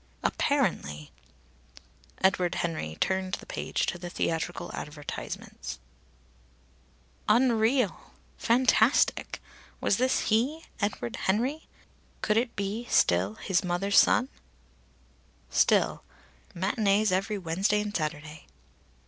... "Apparently!" Edward Henry turned the page to the theatrical advertisements. [Illustration: Theatrical advertisement] Unreal! Fantastic! Was this he, Edward Henry? Could it be still his mother's son? Still "matinées every Wednesday and Saturday."